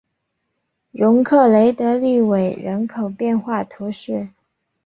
容克雷德利韦人口变化图示